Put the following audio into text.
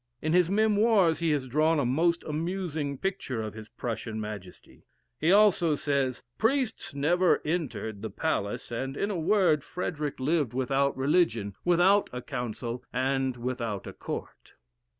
In his "Memoirs," he has drawn a most amusing picture of his Prussian Majesty. He, also says, "Priests never entered the palace; and, in a word, Frederick lived without religion, without a council, and without a court."